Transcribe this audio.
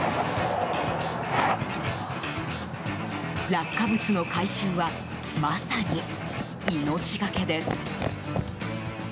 落下物の回収はまさに命がけです。